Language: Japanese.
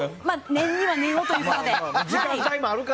念には念をということで。